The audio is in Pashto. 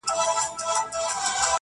o پر خوړه مځکه هر واښه شين کېږي٫